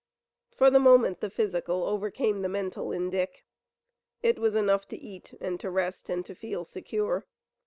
For the moment, the physical overcame the mental in Dick. It was enough to eat and to rest and to feel secure.